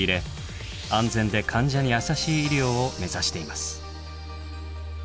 安全で患者にやさしい医療を目指しています。